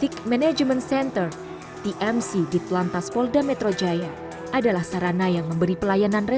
jangan lupa untuk berlangganan